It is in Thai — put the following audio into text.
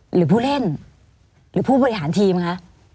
หรือผู้เล่นหรือผู้บริหารทีมคะ